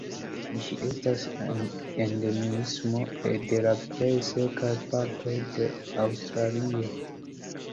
Ĝi estas endemismo de la plej sekaj partoj de Aŭstralio.